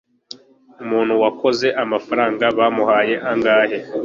umuntu wakoze amafaranga bamuhaye angahe